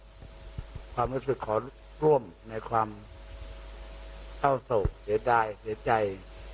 แล้วก็ความรู้สึกขอร่วมในความเศร้าสลดเศร้าใจ